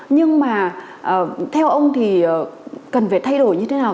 nhưng mà theo ông thì cần phải thay đổi như thế nào